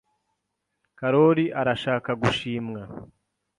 Karoli arashaka gushimwa.